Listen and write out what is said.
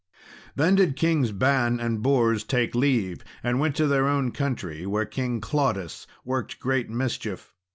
Then did Kings Ban and Bors take leave, and went to their own country, where King Claudas worked great mischief.